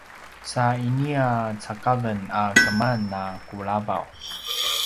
sa inia cakaven a keman na kulavaw